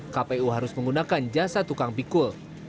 kpu harus menggunakan jasa tukang pikul